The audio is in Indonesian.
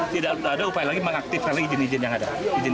tidak ada upaya lagi mengaktifkan izin izin yang ada